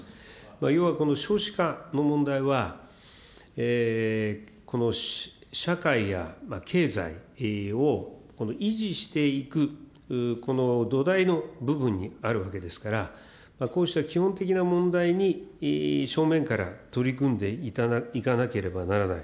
要はこの少子化の問題は、社会や経済を維持していく、この土台の部分にあるわけですから、こうした基本的な問題に、正面から取り組んでいかなければならない。